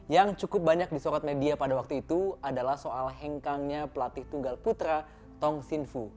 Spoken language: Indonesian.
yang cukup banyak disorot media pada waktu itu adalah soal hengkangnya pelatih tunggal putra tong sinfu